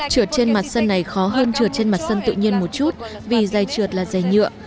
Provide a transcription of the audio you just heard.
trượt trên mặt sân này khó hơn trượt trên mặt sân tự nhiên một chút vì dày trượt là dày nhựa